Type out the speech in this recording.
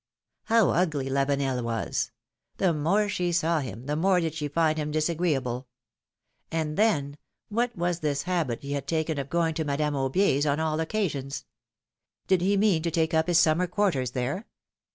How ugly Lavenel was ! The more she saw him, the more did she find him disagreeable. And then, what w^as this habit he had taken of going to Madame AubiePs on all occasions? Did he mean to take up his summer quarters there?